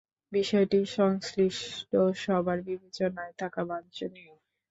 বিষয়টি সংশ্লিষ্ট সবার বিবেচনায় থাকা বাঞ্ছনীয়।